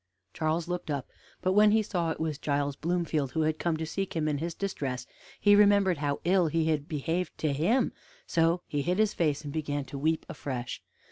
Charles looked up; but when he saw it was Giles Bloomfield who had come to seek him in his distress, he remembered how ill he had behaved to him, so he hid his face, and began to weep afresh.